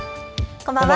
こんばんは。